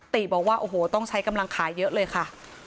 ติบอกว่าโอ้โหต้องใช้กำลังขาเยอะเลยค่ะ